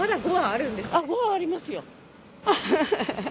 あっ、５はありますよ。